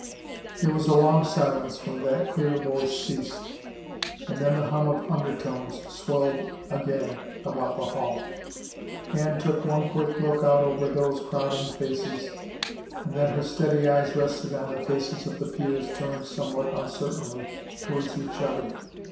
There was a long silence when that clear voice ceased, and then the hum of undertones swelled again about the hall. Anne took one quick look out over those crowding faces and then her steady eyes rested on the faces of the peers turned somewhat uncertainly towards each other.